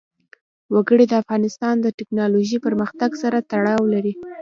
وګړي د افغانستان د تکنالوژۍ پرمختګ سره تړاو لري.